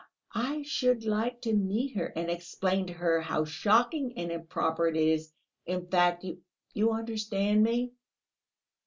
I should like to meet her and explain to her how shocking and improper it is!... In fact, you understand me...."